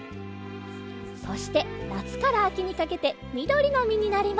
そしてなつからあきにかけてみどりのみになります。